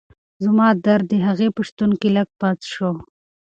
زما درد د هغې په شتون کې لږ پڅ شو.